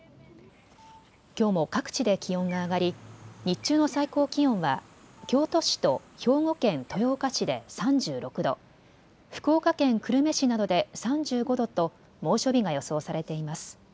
きょうも各地で気温が上がり日中の最高気温は京都市と兵庫県豊岡市で３６度、福岡県久留米市などで３５度と猛暑日が予想されています。